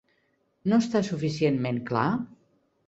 No està suficientment clar?